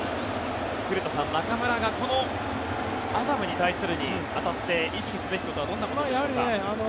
古田さん、中村がアダムに対するに当たって意識すべきことはどんなことでしょうか？